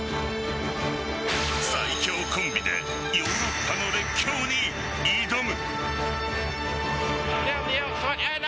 最強コンビでヨーロッパの列強に挑む。